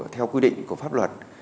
theo quy định của pháp luật